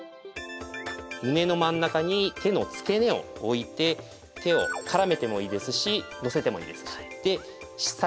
胸の真ん中に手の付け根を置いて手を絡めてもいいですしのせてもいいですし。